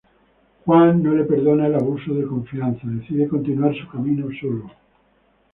Juan no le perdona el abuso de confianza, decide continuar su camino solo.